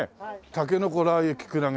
「たけのこラー油きくらげ